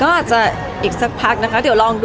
ก็อาจจะอีกสักพักนะคะ